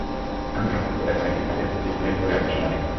অঞ্জলি বাসায় ঢুকে দেখেন, একটি খাটে চিৎ হয়ে পড়ে আছে সোনালী।